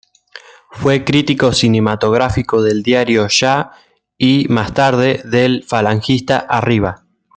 Fue crítico cinematográfico del diario "Ya" y, más tarde, del falangista "Arriba".